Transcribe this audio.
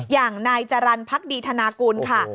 อย่างนายจรรย์พักดีธนากุลค่ะ